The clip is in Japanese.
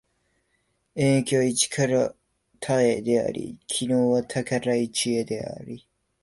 演繹は一から多へであり、帰納は多から一へである。